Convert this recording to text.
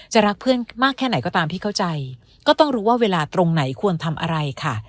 รักเพื่อนมากแค่ไหนก็ตามที่เข้าใจก็ต้องรู้ว่าเวลาตรงไหนควรทำอะไรค่ะ